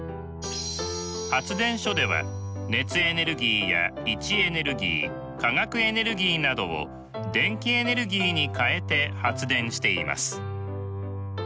発電所では熱エネルギーや位置エネルギー化学エネルギーなどを電気エネルギーに変えて発電しています。